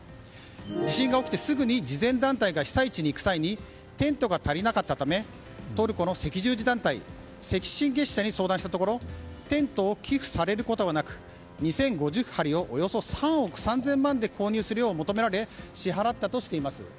地震が起きてすぐに慈善団体が被災地に行く際にテントが足りなかったためトルコの赤十字団体赤新月社に相談したところテントを寄付されることはなく２０５０張りをおよそ３億３０００万円で購入するよう求められ支払ったとしています。